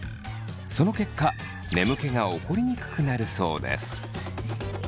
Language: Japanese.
その結果眠気が起こりにくくなるそうです。